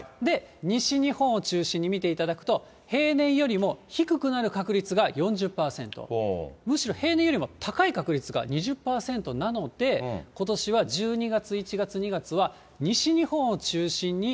西日本を中心に見ていただくと、平年よりも低くなる確率が４０％、むしろ平年よりも高い確率が２０％なので、ことしは１２月、１月、２月は、西日本を中心に。